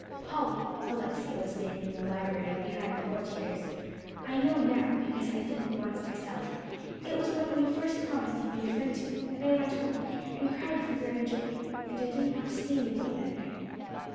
"Polly," Alexia was saying in the library behind the portières, "I know now; because I did it once myself: it was when you first promised you'd be a friend to me, and I went home, and cried for very joy. And I didn't want to see anybody that night."